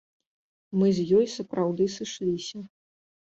Мы з ёй сапраўды сышліся.